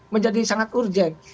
menjadi sangat urgent